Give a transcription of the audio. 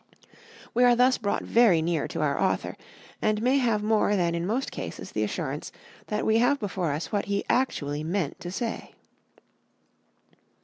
We are thus brought very near to our author, and may have more than in most cases the assurance that we have before us what he actually meant to say.